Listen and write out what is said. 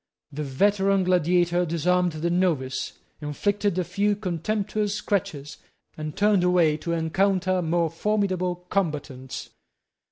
The veteran gladiator disarmed the novice, inflicted a few contemptuous scratches, and turned away to encounter more formidable combatants.